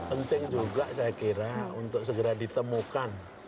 penting juga saya kira untuk segera ditemukan